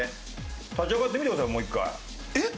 立ち上がって見てくださいもう一回。えっ？